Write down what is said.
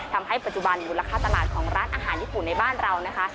ทำให้ปัจจุบันมูลค่าตลาดของร้านอาหารญี่ปุ่นในบ้านเรานะคะ